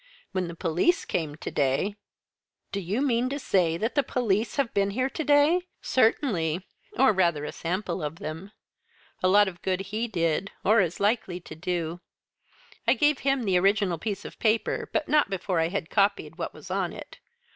When the police came today " "Do you mean to say that the police have been here to day?" "Certainly or, rather, a sample of them. And a lot of good he did, or is likely to do. I gave him the original piece of paper, but not before I had copied what was on it.